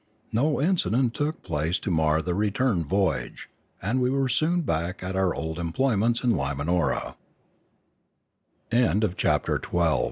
No incident took place to mar the return voyage, and we were soon back at our old employments in Limano